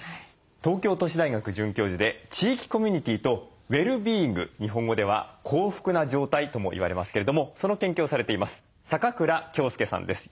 東京都市大学准教授で地域コミュニティーとウェルビーイング日本語では「幸福な状態」ともいわれますけれどもその研究をされています坂倉杏介さんです。